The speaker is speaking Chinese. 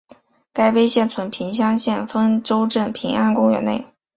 该碑现存平乡县丰州镇平安公园内。